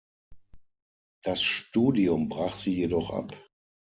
Das Studium brach sie jedoch ab.